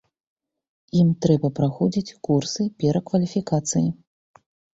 Ім трэба праходзіць курсы перакваліфікацыі.